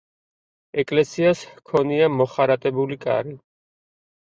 ეკლესიას ჰქონია მოხარატებული კარი.